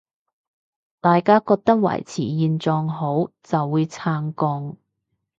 大家覺得維持現狀好，就會撐共